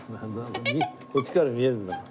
こっちから見えるんだよ。